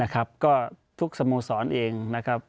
ก็ทุกสโมสรเองนะครับ